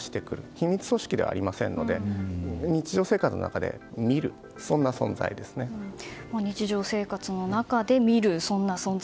秘密組織ではありませんので日常生活の中で見るという日常生活の中で見る存在